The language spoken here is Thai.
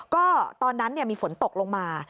ก็ตอนนั้นมีฝนตกลงมา